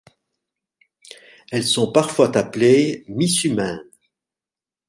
Elles sont parfois appelés misumènes.